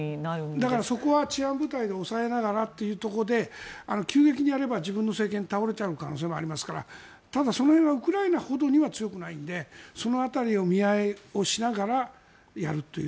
だからそこは治安部隊で抑えながらということで急激にやれば自分の政権が倒れちゃう可能性もありますからただ、その辺はウクライナほどには強くないのでその辺りを見合いをしながらやるという。